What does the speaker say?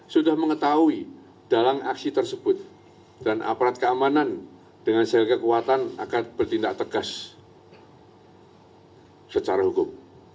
sudah mengetahui dalam aksi tersebut dan aparat keamanan dengan segala kekuatan akan bertindak tegas secara hukum